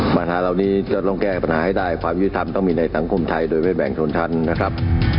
ปัญหาเหล่านี้จะต้องแก้ปัญหาให้ได้ความยุติธรรมต้องมีในสังคมไทยโดยไม่แบ่งชนทันนะครับ